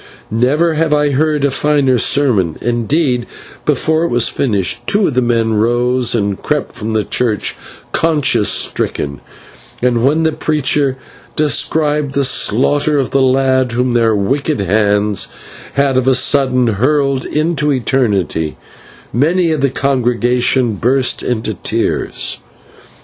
Never have I heard a finer sermon; indeed, before it was finished, two of the men rose and crept from the church conscience stricken, and when the preacher described the slaughter of the lad whom their wicked hands had of a sudden hurled into eternity, many of the congregation burst into tears.